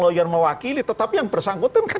lawyer mewakili tetapi yang bersangkutan kan